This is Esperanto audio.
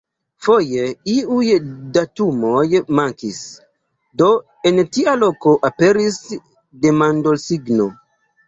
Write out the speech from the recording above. Foje iuj datumoj mankis, do en tia loko aperis demandosigno.